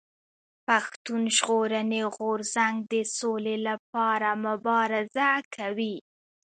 پښتون ژغورني غورځنګ د سولي لپاره مبارزه کوي.